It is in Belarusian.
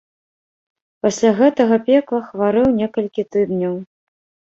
Пасля гэтага пекла хварэў некалькі тыдняў.